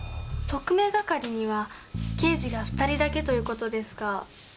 特命係には刑事が２人だけということですが。